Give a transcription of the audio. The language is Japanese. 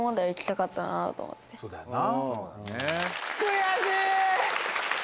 そうだよな。